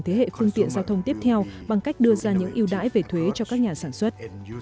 thế hệ phương tiện giao thông tiếp theo bằng cách đưa ra những yêu đãi về thuế cho các nhà sản xuất